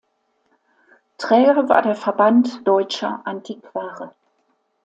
Träger war der Verband Deutscher Antiquare.